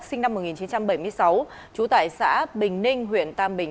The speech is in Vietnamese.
sinh năm một nghìn chín trăm bảy mươi sáu trú tại xã bình ninh huyện tam bình